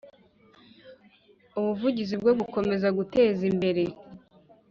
Ubuvugizi bwo gukomeza guteza imbere